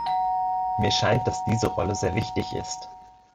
Mir scheint, dass diese Rolle sehr wichtig ist.